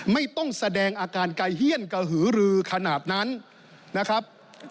ไม่ต้องแสดงอาการไกลเฮียนกระหือรือขนาดนั้นนะครับ